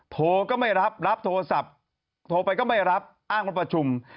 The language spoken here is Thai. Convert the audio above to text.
โทรก็ไม่รับรับโทรศัพท์โทรไปก็ไม่รับอ้างว่าประชุม